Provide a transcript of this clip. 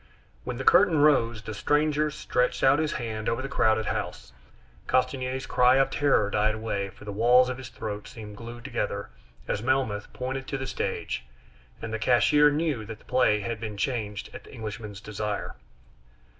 When the curtain rose, the stranger stretched out his hand over the crowded house. Castanier's cry of terror died away, for the walls of his throat seemed glued together as Melmoth pointed to the stage, and the cashier knew that the play had been changed at the Englishman's desire.